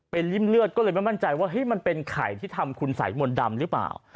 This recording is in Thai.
เป็นริ่มเลือดก็เลยไม่มั่นใจว่ามันเป็นไข่ที่ทำคุณสัยมนต์ดำหรือเปล่า